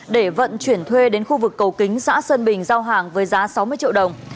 để vận chuyển thuê đến khu vực cầu kính xã sơn bình giao hàng với giá sáu mươi triệu đồng